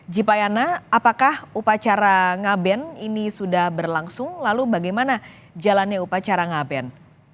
jipayana apakah upacara ngaben ini sudah berlangsung lalu bagaimana jalannya upacara ngaben